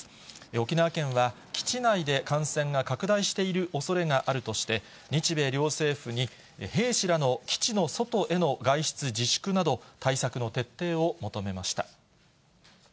沖縄県は、基地内で感染が拡大しているおそれがあるとして、日米両政府に、兵士らの基地の外への外出自粛など、対策の徹底を求めました。